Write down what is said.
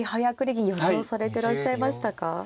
銀予想されてらっしゃいましたか？